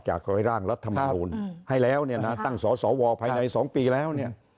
ก็อยากให้ร่างรัฐมนุนให้แล้วตั้งสอวภายใน๒ปีแล้ว